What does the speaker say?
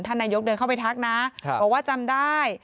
นายกเดินเข้าไปทักนะบอกว่าจำได้